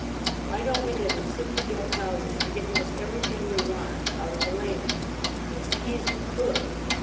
Why don't we live in simply built houses and get most everything we want out of the land: which we easily could?